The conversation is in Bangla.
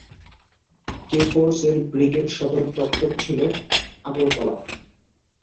কে ফোর্স এর ব্রিগেড সদর দপ্তর ছিল আগরতলা।